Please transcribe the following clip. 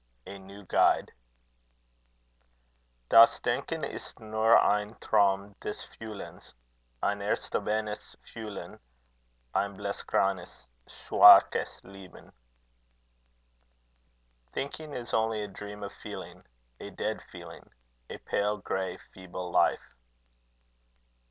A NEW GUIDE. Das Denken ist nur ein Traum des Fuhlens, ein erstorbenes Fuhlen, ein blass graues, schwaches Leben. Thinking is only a dream of feeling; a dead feeling; a pale grey, feeble life.